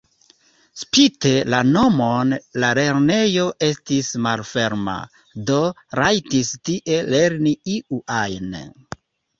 Spite la nomon la lernejo estis malferma, do rajtis tie lerni iu ajn.